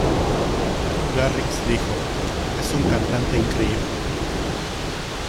Garrix dijo: "Es un cantante increíble.